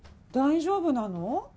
大丈夫なの？